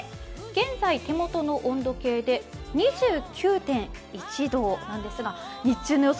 現在、手元の温度計で２９．１度なんですが日中の予想